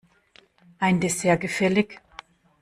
Ein Dessert gefällig?